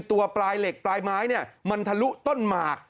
ตัวปลายเหล็กปลายไม้เนี่ยมันทะลุต้นหมาก